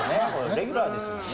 レギュラーですもんね。